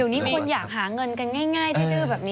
อยู่นี้คนอยากหาเงินกันง่ายได้ด้วยแบบนี้